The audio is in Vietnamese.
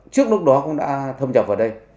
trước lúc đó cũng đã thông trọng vào đây